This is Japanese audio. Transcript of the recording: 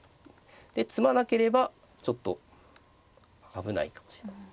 で詰まなければちょっと危ないかもしれません。